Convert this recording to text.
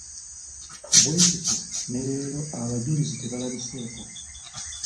Bwekityo ne leero abajulizi tebalabiseeko .